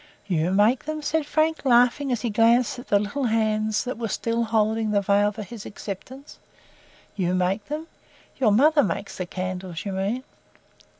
"YOU make them?" said Frank, laughing as he glanced at the little hands that were still holding the veil for his acceptance. "YOU make them? Your mother makes the candles, you mean."